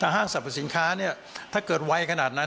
ห้างสรรพสินค้าเนี่ยถ้าเกิดไวขนาดนั้น